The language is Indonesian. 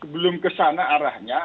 belum kesana arahnya